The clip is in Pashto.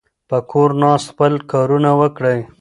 په کور ناست خپل کارونه وکړئ.